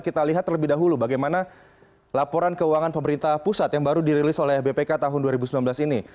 kita lihat terlebih dahulu bagaimana laporan keuangan pemerintah pusat yang baru dirilis oleh bpk tahun dua ribu sembilan belas ini